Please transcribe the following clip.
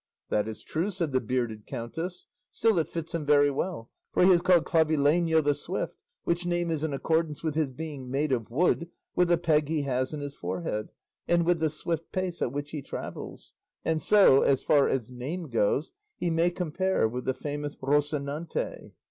"That is true," said the bearded countess, "still it fits him very well, for he is called Clavileño the Swift, which name is in accordance with his being made of wood, with the peg he has in his forehead, and with the swift pace at which he travels; and so, as far as name goes, he may compare with the famous Rocinante."